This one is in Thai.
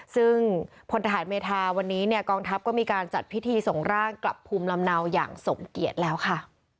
ซึ่งพลทหารเมธาวันนี้เนี่ยกองทัพก็มีการจัดพิธีส่งร่างกลับภูมิลำเนาอย่างสมเกียจแล้วค่ะ